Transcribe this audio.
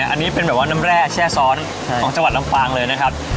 อันนี้เป็นน้ำแร่แจ้สร้อนของจังหวัดลำฟังเลยนะครับ